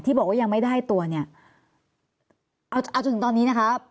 บอกว่ายังไม่ได้ตัวเนี่ยเอาเอาจนถึงตอนนี้นะคะ